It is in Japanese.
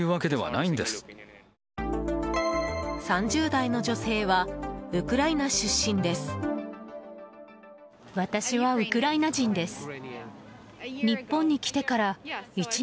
３０代の女性はウクライナ出身です。